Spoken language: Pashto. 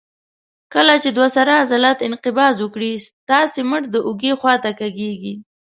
کله چې دوه سره عضله انقباض وکړي تاسې مټ د اوږې خواته کږېږي.